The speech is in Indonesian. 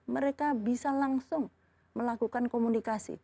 mereka bisa langsung melakukan komunikasi